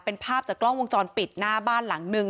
เป็นภาพจากกล้องวงจรปิดหน้าบ้านหลังนึง